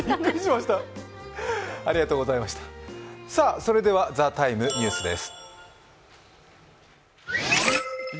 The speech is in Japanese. それでは「ＴＨＥＴＩＭＥ，」ニュースです。